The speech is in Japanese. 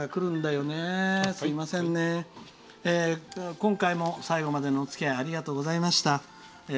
今回も最後までのおつきあいありがとうございました。